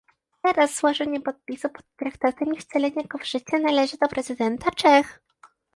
Teraz złożenie podpisu pod traktatem i wcielenie go w życie należy do prezydenta Czech